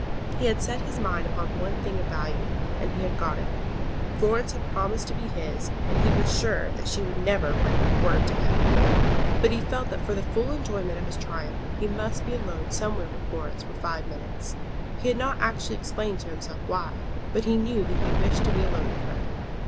He had set his mind upon one thing of value, and he had got it. Florence had promised to be his, and he was sure that she would never break her word to him. But he felt that for the full enjoyment of his triumph he must be alone somewhere with Florence for five minutes. He had not actually explained to himself why, but he knew that he wished to be alone with her.